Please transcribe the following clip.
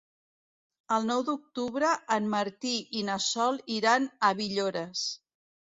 El nou d'octubre en Martí i na Sol iran a Villores.